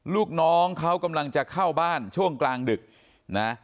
ลูกน้องเขากำลังจะเข้าบ้านช่วงกลางดึกนะ